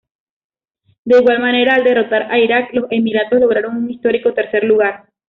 De igual manera, al derrotar a Irak, los Emiratos lograron un histórico tercer lugar.